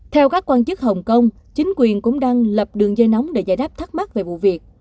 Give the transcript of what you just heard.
theo các quan chức hồng kông chính quyền cũng đang lập đường dây nóng để giải đáp thắc mắc về vụ việc